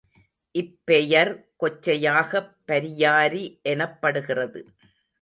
இப்பெயர் கொச்சையாகப் பரியாரி எனப்படுகிறது.